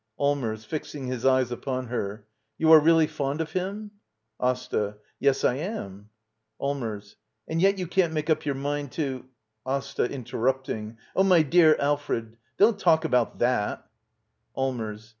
Allmers. [Fixing his eyes upon her.] You are , really fond of him? AsTA. Yes, I am. Allmers. And yet you can't make up your ' inind to —? Asta. [Interrupting.] Oh, my dear Alfred, don't talk about that/ Allmers.